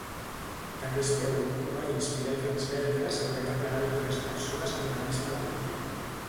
També es preocupa d'inspirar i transmetre seguretat a altres persones amb la mateixa malaltia.